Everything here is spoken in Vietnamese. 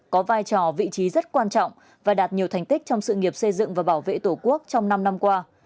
có vai trò vị trí rất quan trọng và đạt nhiều thành tích trong sự nghiệp xây dựng và bảo vệ tổ quốc trong năm năm qua